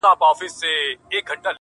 او وژاړمه_